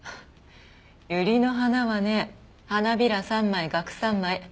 ユリの花はね花びら３枚がく３枚。